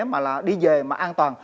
mà là đi về mà an toàn